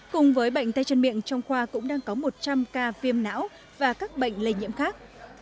cùng với bệnh tay chân miệng trong khoa cũng đang có một trăm linh ca viêm não và các bệnh lây nhiễm khác